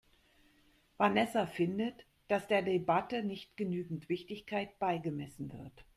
Vanessa findet, dass der Debatte nicht genügend Wichtigkeit beigemessen wird.